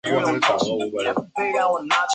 莫尔普雷。